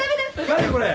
何これ。